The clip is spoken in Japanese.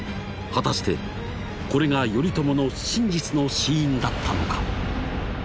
果たしてこれが頼朝の真実の死因だったのか。